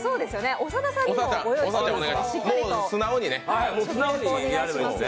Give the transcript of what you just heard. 長田さんにも用意していますので。